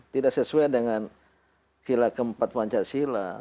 tidak sesuai dengan sila keempat pancasila